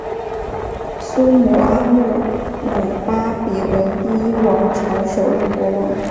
苏姆阿布姆巴比伦第一王朝首任国王。